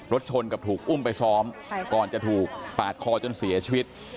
ชนกับถูกอุ้มไปซ้อมก่อนจะถูกปาดคอจนเสียชีวิต